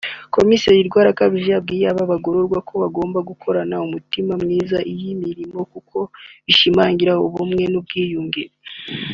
Komiseri Rwarakabije yabwiye aba bagororwa ko bagomba gukorana umutima mwiza iyi mirimo kuko ishimangira ubumwe n’ubwiyunge